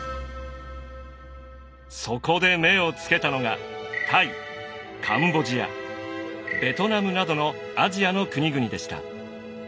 そこで目をつけたのがタイカンボジアベトナムなどのアジアの国々でした。